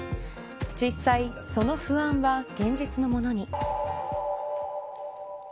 実際、その不安は現実のものに。